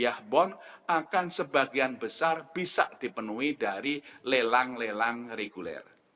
yahbon akan sebagian besar bisa dipenuhi dari lelang lelang reguler